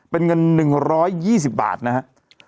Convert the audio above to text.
เป็นเงิน๑๒๐บาทนะฮะ